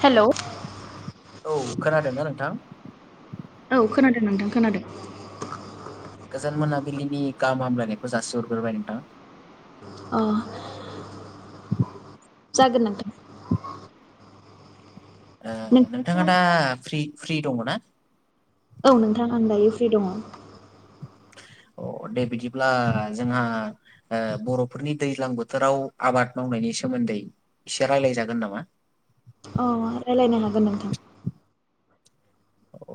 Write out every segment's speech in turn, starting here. Hello औ खोनादोंना नों? थां औ खोनादों नोंथां खोनादों। गोजान मोनाबिलिनि गाहाम हामलायनायखौ जासि हरग्रोबाय नोंथां। अ जागोन नोंथां। नों ओ नोंथाङा दा फ्रि फ्रि दङ ना? औ नोंथां आं दायो फ्रि दङ अ दे बिदिब्ला जोंहा ओ बर'फोरनि दैज्लां बोथोराव आबाद मावनायनि सोमोन्दै एसे रायलाय जागोन नामा? अ रायलायनो हागोन नोंथां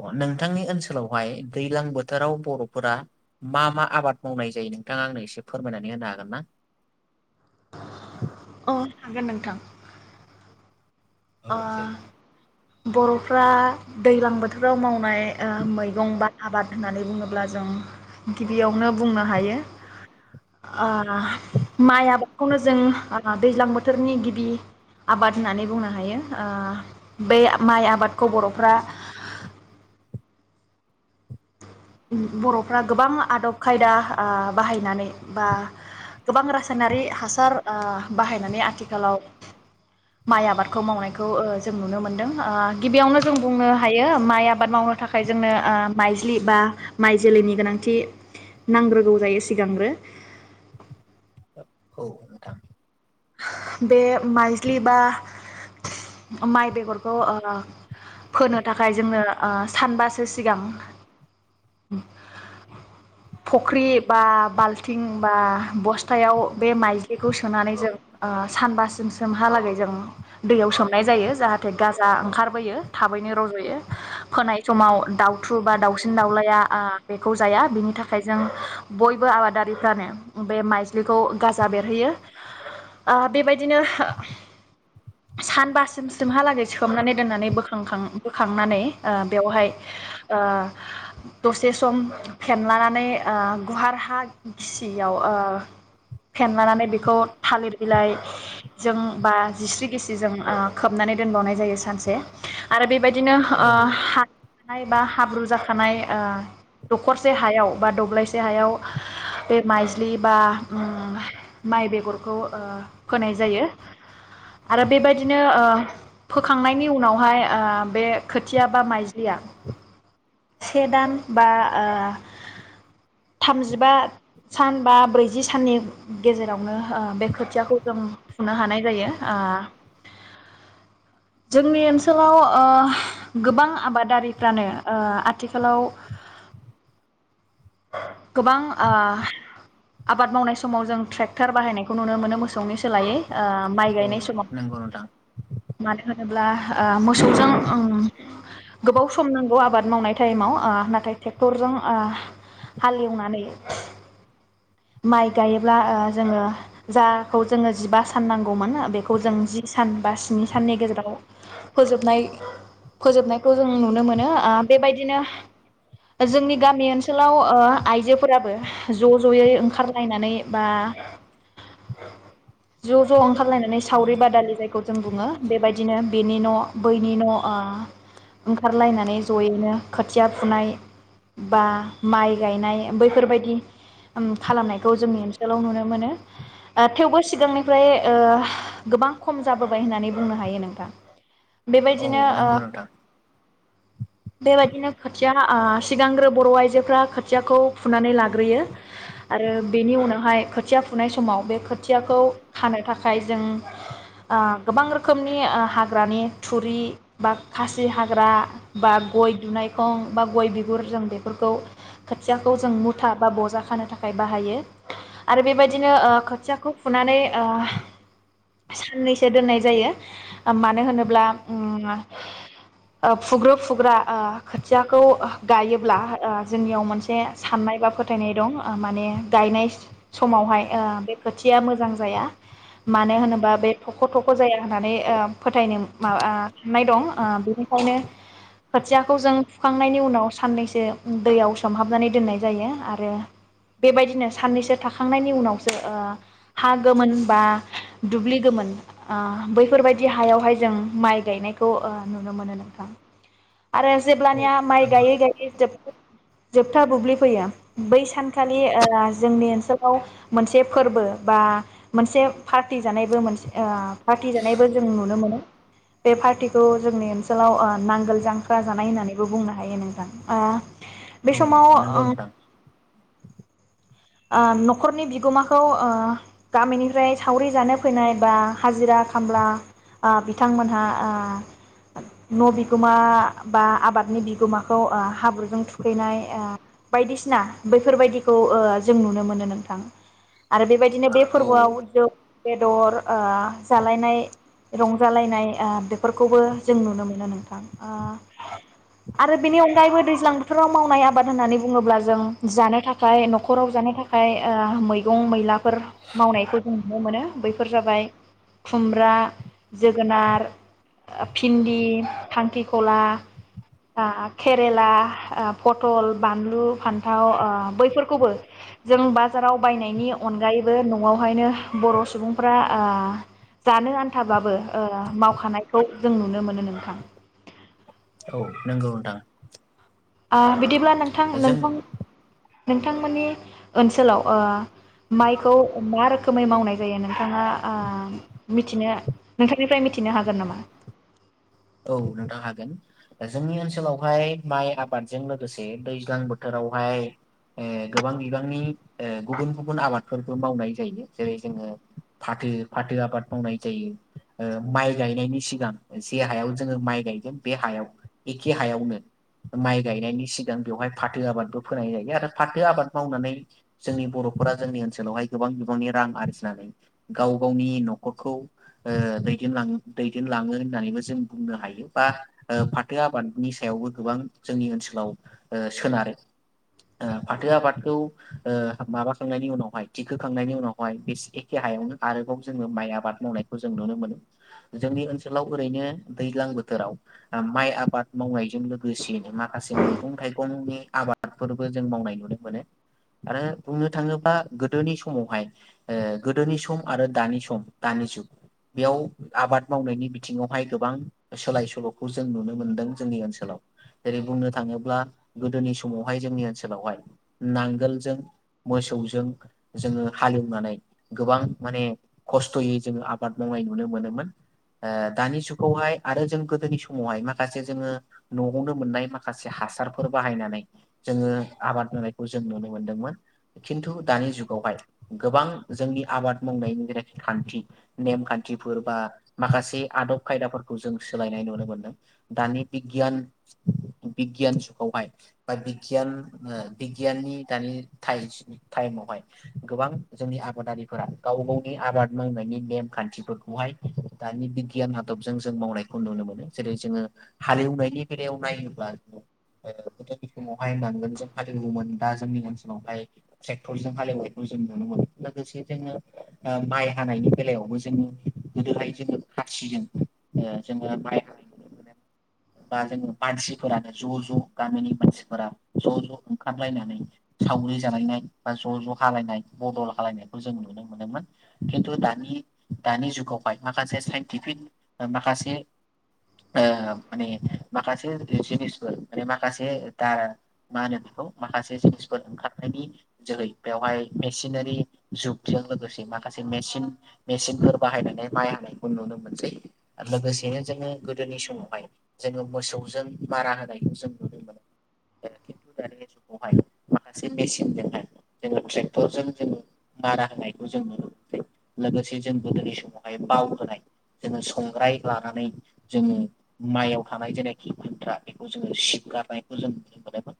अ नोंथांनि ओनसोलावहाय दैलां बोथोराव बर'फोरा मा मा आबाद मावनाय जायो नोंथाङा आंनो एसे फोरमायनानै होनो हागोन ना? अ हागोन नोंथां औ अ' देलाय बरफ्रा दैलां बोथोराव मावनाय ओ मैगं बा आबाद होननानै बुङोब्ला जों गिबियावनो बुंनो हायो ओ हा माय आबाद बेखौनो जों ओ दैज्लां बोथोरनि गिबि आबाद होननानै बुंङो हायो ओ बे माइ आबादखौ बर'फ्रा, बर'फ्रा गोबां आदब खायदा ओ बाहायनानै बा गोबां रासायनारि हासार ओ बाहायनानै आथिखालाव माइ आबादखौ मावनायखौ ओ जों नुनो मोनदों ओ गिबियावनो जों बुंनो हायो माइ आबाद मावनो थाखाय ओ जोंनो माइज्लि बा माइ जोलैनि गोनांथि नांग्रोगौ जायो सिगांग्रो, औ नोंथां बे माइज्लि बा माइ बेगरखौ ओ फोनो थाखाय जोंनो ओ सानबासो सिगां फख्रि बा बाल्थिं बा बस्थायाव बे माइज्लिखौ सोनानै जों, ओ सानबासिम सोमहालागै जों दैयाव सोमनाय जायो जाहाथे गाजा ओंखारबोयो थाबैनो रजयो फोनाय समाव दाउथु बा दाउसिन-दाउलाया ओ बेखौ जाया बिनि थाखाय जों बयबो आबादारिफ्रानो बे माइज्लिखौ गाजा बेरहोयो। ओ बेबायदिनो सानबासिम सिमहालागै सोमनानै दोननानै बोखांखां बोखांनानै ओ बेवहाय ओ दसे सम फेनलानानै ओ गुहार हा गिसियाव ओ फेनलानानै बेखौ थालिर बिलाइ जों बा जिस्रि गिसिजों ओ खोबनानै दोनबावनाय जायो सानसे आरो बेबाय दिनो ओ औ हा नाय बा हाब्रु जाखानाय ओ दखरसे हायाव बा दब्लायसे हायाव बे माइज्लि बा उम माइ बेगरखौ ओ फोनाय जायो आरो बेबायदिनो ओ फोखांनायनि उनावहाय ओ बे खोथिया बा माइज्लिया से दान बा ओ थामजिबा सान बा ब्रैजि साननि गेजेरावनो ओ बे खोथियाखौ जों फुनो हानाय जायो ओ जोंनि ओनसोलाव ओ गोबां आबादारिफ्रानो ओ आथिखालाव गोबां ओ आबाद मावनाय समाव जों ट्रेक्टार बाहायनायखौ नुनो मोनो मोसौनि लायै ओ माइ औ गायनाय समाव नंगौ नोंथां मानो होन होनोब्ला ओ मोसौजों ओम गोबाव सम नांगौ आबाद आबाद मावनाय टाइमाव ओ नाथाय ट्रेक्टरजों ओ हालेवनानै माइ गायोब्ला ओ जोङो जाखौ जोङो जिबा सान नांगौमोन बेखौ जों जि सान बा स्नि साननि गेजेराव फोजोबनाय फोजोबनायखौ जों नुनो मोनो ओ बेबायदिनो जोंनि गामि ओनसोलाव ओ आइजोफोराबो ज जयै ओंखारलायनानै बा ज ज ओंखारलायनानै सावरि बादालि जायखौ जों बुङो बेबायदिनो बेनि न बैनि न ओ ओंखारलायनानै जयैनो खोथिया फुनाय बा माइ गायनाय बैफोरबायदि उम खालामनायखौ जोंनि ओनसोलाव नुनो मोनो ओ थेवबो सिगांनिफ्राय ओ गोबां खम जाबोबाय होननानै बुंनो हायो नोंथां। औ बेबायदिनो ओ नंगौ नोंथां बेबायदिनो खोथिया ओ सिगांग्रो बर आइजोफ्रा खोथियाखौ फुनानै लाग्रोयो आरो बेनि उनावहाय खोथिया फुनाय समाव बे खोथियाखौ खानो थाखाय जों ओ गोबां रोखोमनि ओ हाग्रानि थुरि बा खासि हाग्रा बा गय दुनायखं बा गय बिगुर जों बेफोरखौ खोथियाखौ जों मुथा बा बजा खानो थाखाय बाहायो आरो बेबायदिनो ओ खोथियाखौ फुनानै ओ साननैसो दोननाय जायो ओम मानो होनोब्ला ओम ओ फुग्रो फुग्रा ओ खोथियाखौ गायोब्ला ओ जोंनियाव मोनसे साननाय बा फोथायनाय दं ओ माने गायनाय समावहाय ओ बे खोथिया मोजां जाया मानो होनोबा बे थख थख जाया होननानै ओ फोथायनो मा बा आं साननाय दं। ओ बिनिखायनो खोथियाखौ जों फुखांनायनि उनाव साननैसो दैयाव सोमहाबनानै दोननाय जायो आरो बेबायदिनो साननैसो थाखांनायनि उनावसो ओ हा गोमोन बा दुब्लि गोमोन ओ बैफोरबायदि हायावहाय जों माइ गायनायखौ ओ नुनो मोनो नोंथां आरो औ जेब्लानिया माइ नंगौ गायै गायै जोब जोबथा बुब्लि फैयो बै सानखालि ओ जोंनि ओनसोलाव मोनसे फोरबो बा मोनसे पार्टि जानायबो मोनसे ओ पार्टि जानायबो जों नुनो मोनो बे पार्टिखौ जोंनि ओनसोलाव ओ नांगोल जां ख्रा जानाय होननानैबो बुंनो हायो नोंथां ओ बे औ समाव नंगौ ओ नोंथां ओ नखरनि बिगोमाखौ ओ गामिनिफ्राय सावरि जानो फैनाय बा हाजिरा खामला ओ बिथांमोनहा ओ न बिगोमा बा आबादनि बिगोमाखौ ओ हाब्रुजों थुखैनाय ओ बायदिसिना बैफोरबायदिखौ ओ जों नुनो मोनो नोंथां आरो बेबाय दिनै बे औ फोरबोआव [inaudible] बेदर ओ जालायनाय रंजालायनाय ओ बेफोरखौबो जों नुनो मोनो नोंथां ओ आरो बेनि अनगायैबो दैज्लां बोथोराव मावनाय आबाद होननानै बुङोब्ला जों जानो थाखाय न'ख न'खराव जानो थाखाय ओ मैगं मैलाफोर मावनायखौ जों नुनो मोनो बैफोर जाबाय खुमब्रा जोगोनार भिन्दि, खांख्रिखला ओ केरेला ओ पथल, बानलु, फान्थाव ओ बैफोरखौबो जों बाजाराव बायनायनि अनगायैबो न'आवहायनो बर' सुबुंफ्रा ओ जानो आन्थाबाबो मावखानायखौ जों नुनो मोनो नोंथां औ नंगौ नोंथां ओ बिदिब्ला नों नोंथां जोंनि नोंथां नोंथांमोननि ओनसोलाव ओ माइखौ मा रोखोमै मावनाय जायो नोंथाङा ओ मिथिनो नोंथांनिफ्राय मिथिनो हागोन नामा औ नोंथां हागोन जोंनि ओनसोलावहाय माइ आबादजों लोगोसे दैज्लां बोथोरावहाय ओ गोबां बिबांनि ए गुबुन गुबुन आबाद फोरबो मावनाय जायो जेरै जोङो फाथो फाथो आबाद मावनाय जायो माइ गायनायनि सिगां जे हायाव जोङो माइ गायगोन बे हायाव एखे हायावनो माइ गायनायनि सिगां बेवहाय फाथो आबादबो फोनाय जायो आरो फाथो आबाद मावनानै जोंनि बर'फोरा जोंनि ओनसोलावहाय गोबां बिबांनि रां आरजिनानै गाव गावनि न'खरखौ ओ दैदेनलांनो दैदेनलाङो होननानैबो जों बुंनो हायो बा ओ फाथो आबादनि सायावबो गोबां जोंनि ओनसोलाव ओ सोनारो ओ फाथो आबादखौ ओ माबाखांनायनि उनावहाय थिखोखांनायनि उनावहाय बे एखे हायावनो आरोबाव जोङो माइ आबाद मावनायखौ जों नुनो मोनो जोंनि ओनसोलाव ओरैनो दैज्लां बोथोराव माइ आबाद मावनायजों लोगोसेयैनो माखासे मैगं थाइगंनि आबादफोरबो जों मावनाय नुनो मोनो आरो बुंनो थाङोब्ला गोदोनि समावहाय ओ गोदोनि सम आरो दानि सम दानि जुग बेयाव आबाद मावनायनि बिथिङावहाय गोबां सोलाय सोल'खौ जों नुनो मोनदों जोंनि ओनसोलाव जेरै बुंनो थाङोब्ला गोदोनि समावहाय जोंनि ओनसोलावहाय नांगोलजों मोसौजों जोङो हालेवनानै गोबां माने खस्थ'यै जोङो आबाद मावनाय नुनो मोनोमोन ओ दानि जुग खौहाय आरो जों गोदोनि समावहाय माखासे जोङो न'आवनो मोननाय माखासे हासारफोर बाहायनानै जोङो आबाद मावनायखौ जों नुनो मोनदोंमोन खिन्थु दानि जुगावहाय गोबां जोंनि आबाद मावनायनि जेनाखि खान्थि नेम खान्थिफोर बा माखासे आदब खायदाफोरखौ जों सोलायनाय नुनो मोनदों दानि बिगियान बिगियान जुगावहाय बा बिगियान ओ बिगियाननि दानि टाइस-टाइमावहाय गोबां जोंनि आबादारिफोरा गाव गावनि आबाद मावनायनि नेम खान्थिफोरखौहाय दानि बिगियान आ आदबजों जों मावनायखौ नुनो मोनो जेरै जोङो हालेवनायनि बेलायाव नायोब्ला जों गोदोनि समावहाय नांगोनजों हालेवोमोन दा जोंनि ओनसोलावहाय ट्रेक्टरजों हालेवनायखौ जों नुनो मोनो लोगोसे जोङो ओ माइ हानायनि बेलायावबो जों गोदोहाय जोङो खासिजों ओ जोङो बाइाय नुनो मोनोम बा जोङो मानसिफोरानो ज' ज' गामिनि मानसिफोरा ज' ज' ओंखारलायनानै सावरि जालायनाय बा ज' ज' हालायनाय बदल हालायनायखौ जों नुनो मोनोमोन खिन्थु दानि दानि जुगावहाय माखासे साइन्टिफिक माखासे आ माने माखासे जिनिसफोर माने माखासे दा मा होनो बेखौ माखासे जिनिसफोर ओंखारनायनि जोहै बेवहाय मेसिनारि जुगजों लोगोसे माखासे मेसिन मेसिनफोर बाहायनानै माइ हानायखौ नुनो मोनसै। लोगोसेनो जोङो गोदोनि समावहाय जोङो मोसौजों मारा होनायखौ जों नुनो मोनो खिन्थु दानि जुगावहाय माखासे मेसिनजोंहाय जोङो ट्रेक्टरजों जोङो मारा होनायखौ जों नुनो मोनसै लोगोसे जों गोदोनि समावहाय बाव होनाय जोङो स संग्राय लानानै जोङो माइयाव थानाय जेनाखि खन्थ्रा बेखौ जोङो सिबगारनायखौ जों नुनो मोनोमोन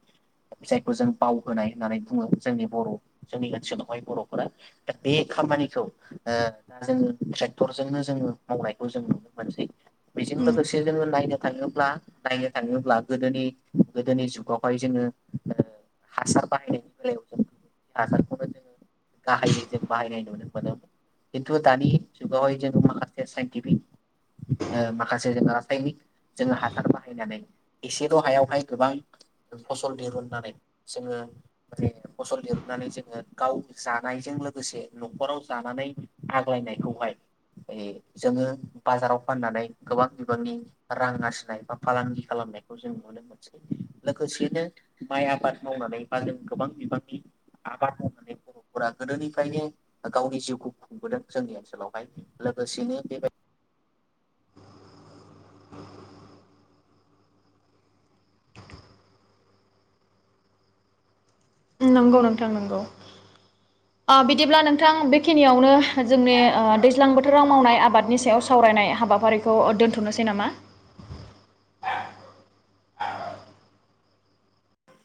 जायखौ जों बावहोनाय होननानै बुङो जोंनि बर' जोंनि ओनसोलावहाय बर'फोरा दा बे खामानिखौ ओ जोङो ट्रेक्टरजोंनो जोङो मावनाय खौ जों नुनो मोनसै। बेजों लोगोसे जोङो नायनो थाङोब्ला नायनो थाङोब्ला गोदोनि गोदोनि जुगावहाय जोङो हासार बाहायनायनि बेलायाव जों हासारखौनो जोङो गाहायै जों बाहायनाय नुनो मोनोमोन खिन्थु दानि जुगावहाय जोङो माखासे गिबि ओ माखासे जों रासायनिक जोङो हासार बाहायनानै एसेल' हायावहाय गोबां फसल दिरुननानै जोङो माने फसल दिरुननानै जोङो गाव जानायजों लोगोसे न'खराव जानानै आग्लायनायखौहाय ए जोङो बाजाराव फाननानै गोबां बिबांनि रां आरजिनाय बा फालांगि खालामनायखौ जों नुनो मोनसै लोगोसेनो माइ आबाद मावनानै बा जों गोबां बिबांनि आबाद मावनानै बर'फोरा गोदोनिफ्रायनो गावनि जिउखौ खुंबोदों जोंनि ओनसोलावहाय लोगोसेनो। बेबा [inaudible] नंगौ नोंथां नंगौ ओ बिदिब्ला नोंथां बेखिनियावनो जोंनि दैज्लां बोथोराव मावनाय आबादनि सायाव सावरायनाय हाबाफारिखौ दोनथ'नोसै नामा?